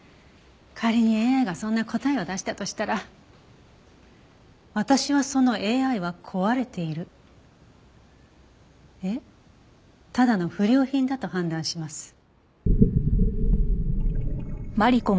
仮にＡＩがそんな答えを出したとしたら私はそのＡＩは壊れているいえただの不良品だと判断します。